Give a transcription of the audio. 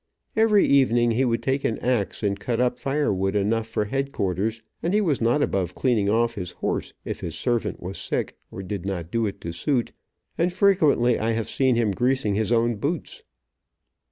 Every evening he would take an axe and cut up fire wood enough for headquarters, and he was not above cleaning off his horse if his servant was sick, or did not do it to suit, and frequently I have seen him greasing his own boots.